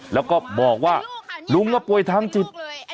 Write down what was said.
แล้วก็บอกว่าลุงเนี่ยป่วยทั้งจิต